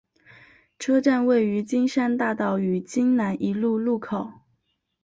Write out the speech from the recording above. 车站位于金山大道与金南一路路口。